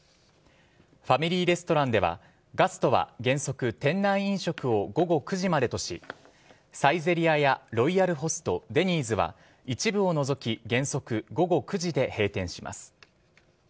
ファミリーレストランではガストは原則店内飲食を午後９時までとしサイゼリヤやロイヤルホストデニーズは一部を除き原則、午後９時で閉店します。